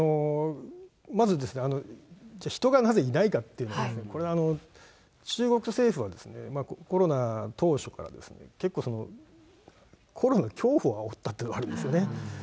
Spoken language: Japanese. まず人がなぜいないかっていうと、これは、中国政府はコロナ当初から結構、コロナの恐怖をあおったというのがあるんですよね。